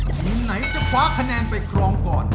ทีมไหนจะคว้าคะแนนไปครองก่อน